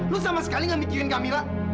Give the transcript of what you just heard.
lu sama sekali nggak mikirin kamila